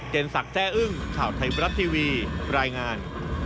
เจนสักแทร่อึ้งข่าวไทยบรัฐทีวีรายงาน